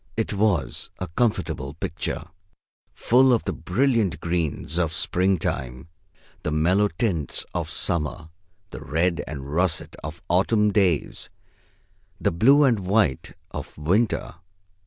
It was a comfortable picture, full of the brilliant greens of springtime, the mellow tints of summer, the red and russet of autumn days, the blue and white of winter.